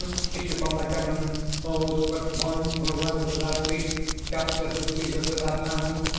come! issue from thy cavern! "O swift one, who runneth without feet, captor who seizeth without hand!